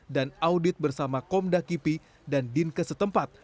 dan audit bersama komda kipi dan din kesetempat